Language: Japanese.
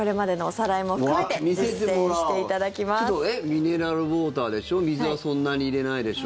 ミネラルウォーターでしょ水はそんなに入れないでしょ